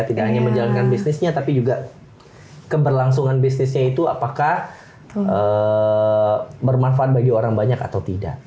tidak hanya menjalankan bisnisnya tapi juga keberlangsungan bisnisnya itu apakah bermanfaat bagi orang banyak atau tidak